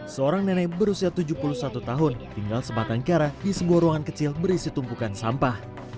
seorang nenek berusia tujuh puluh satu tahun tinggal sebatang kara di sebuah ruangan kecil berisi tumpukan sampah